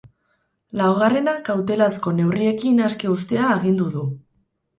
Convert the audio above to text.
Laugarrena kautelazko neurriekin aske uztea agindu du.